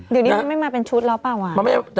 เดี๋ยวนี้ฉันไม่มาเป็นชุดแล้วเปล่าอ่ะ